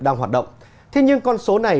đang hoạt động thế nhưng con số này